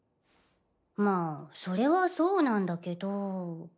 まぁそれはそうなんだけど。